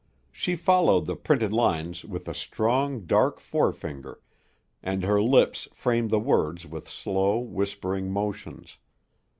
She followed the printed lines with a strong, dark forefinger and her lips framed the words with slow, whispering motions.